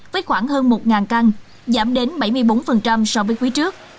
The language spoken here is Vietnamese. với khoảng hơn một căn giảm đến bảy mươi bốn so với quý trước